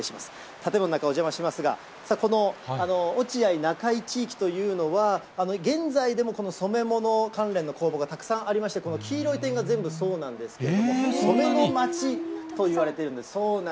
建物の中、お邪魔しますが、この落合、中井地域というのは、現在でもこの染め物関連の工房がたくさんありまして、この黄色い点が全部そうなんですけれども、染めの街といわれているんです。